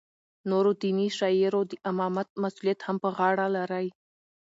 نورو دیني شعایرو د امامت مسولیت هم په غاړه لری.